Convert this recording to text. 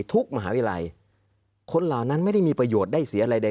มหาวิทยาลัยคนเหล่านั้นไม่ได้มีประโยชน์ได้เสียอะไรใด